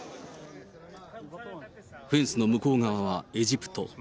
フェンスの向こう側はエジプト。